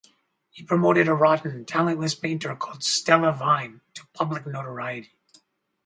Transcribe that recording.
He promoted a rotten, talentless painter called Stella Vine to public notoriety.